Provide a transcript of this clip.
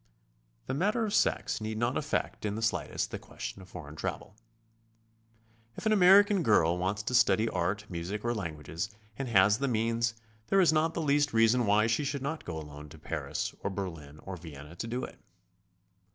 The matter of sex need not affect in the slightest the question of foreign travel. If an American girl wants to study art, music, or languages, and has the means, there is not the least reason why she should not go alone to Paris or j WHY, WHO, AND WHEN TO GO. 9 Berlin or Vienna to do, it.